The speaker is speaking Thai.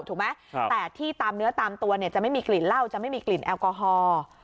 ถูกไหมแต่ที่ตามเนื้อตามตัวเนี่ยจะไม่มีกลิ่นเหล้าจะไม่มีกลิ่นแอลกอฮอล์